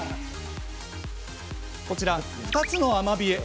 こちら、２つのアマビエ。